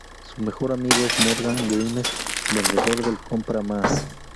Su mejor amigo es Morgan Grimes, vendedor del "Compra Más".